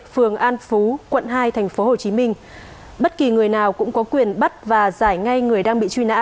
phường an phú quận hai tp hcm bất kỳ người nào cũng có quyền bắt và giải ngay người đang bị truy nã